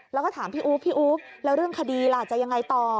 แล้วก็ถามพี่อุ๊บพี่อู๊บแล้วเรื่องคดีล่ะจะยังไงต่อ